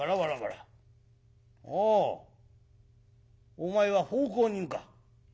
お前は奉公人か。